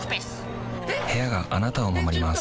部屋があなたを守ります